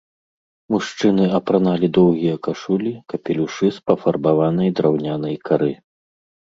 Мужчыны апраналі доўгія кашулі, капелюшы з пафарбаванай драўнянай кары.